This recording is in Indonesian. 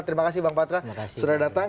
terima kasih bang patra sudah datang